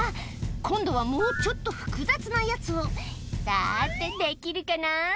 今度はもうちょっと複雑なやつをさてできるかな？